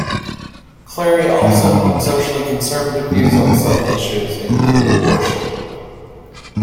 Cleary also held socially conservative views on some issues, including abortion.